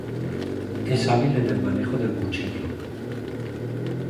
Es hábil en el manejo del cuchillo.